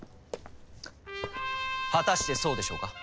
果たしてそうでしょうか？